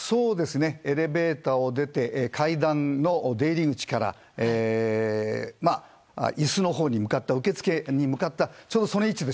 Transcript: エレベーターを出て階段の出入り口から椅子のほうに向かって受付に向かった